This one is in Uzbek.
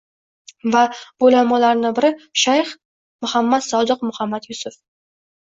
Va bu ulamolardan biri – shayx Muhammad Sodiq Muhammad Yusuf.